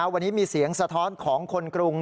วันนี้มีเสียงสะท้อนของคนกรุง